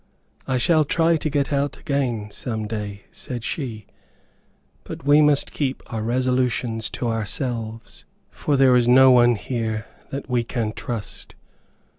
"I shall try to get out again, some day," said she, "but we must keep our resolutions to ourselves, for there is no one here, that we can trust.